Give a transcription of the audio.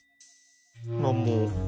なんも。